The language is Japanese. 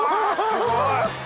すごい。